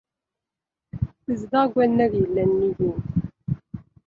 Tezdeɣ deg wannag yellan nnig-i.